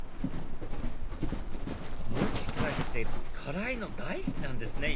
もしかして辛いの大好きなんですね